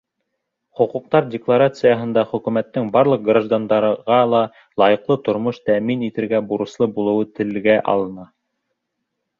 Хоҡуҡтар декларацияһында хөкүмәттең барлыҡ граждандарға ла лайыҡлы тормош тәьмин итергә бурыслы булыуы телгә алына.